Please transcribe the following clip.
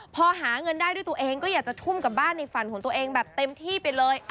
พอหาเงินได้ด้วยตัวเองก็อยากจะทุ่มกับบ้านในฝันของตัวเองแบบเต็มที่ไปเลย